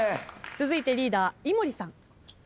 続いてリーダー井森さん。